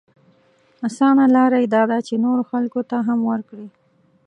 اسانه لاره يې دا ده چې نورو خلکو ته هم ورکړي.